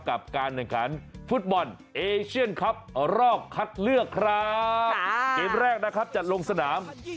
กับการแข่งขันฟุตบอลเอเชียนครับรอบคัดเลือกครับเกมแรกนะครับจัดลงสนาม